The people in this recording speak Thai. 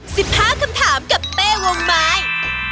สิบห้าคำถามกับเป้วงไม้